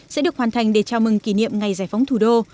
sẽ được hoàn thành để chào mừng kỷ niệm ngày giải phóng thủ đô